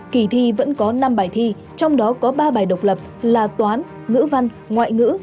kỳ thi vẫn có năm bài thi trong đó có ba bài độc lập là toán ngữ văn ngoại ngữ